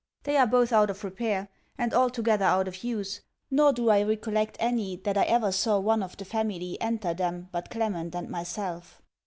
They are both out of repair, and altogether out of use; nor do I recollect any that I ever saw one of the family enter them but Clement and myself.